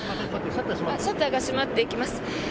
シャッターが閉まっていきます。